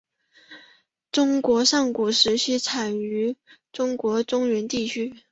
中国上古时期产生于中国中原地区。